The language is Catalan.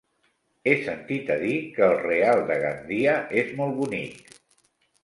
He sentit a dir que el Real de Gandia és molt bonic.